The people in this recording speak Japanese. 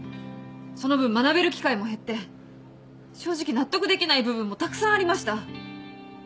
その分学べる機会も減って正直納得できない部分もたくさんありました。